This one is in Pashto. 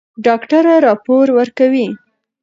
ډاکټره راپور ورکوي.